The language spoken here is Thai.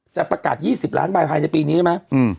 จะประกาศ๒๐ล้านใบภายในปีนี้ใช่ไหม